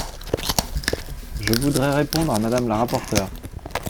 Je voudrais répondre à Madame la rapporteure.